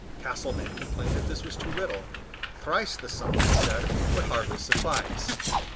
Castelmaine complained that this was too little. Thrice the sum, he said, would hardly suffice.